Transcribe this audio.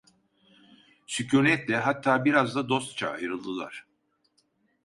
Sükûnetle, hatta biraz da dostça ayrıldılar.